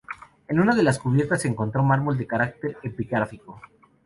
En una de las cubiertas se encontró mármol de carácter epigráfico.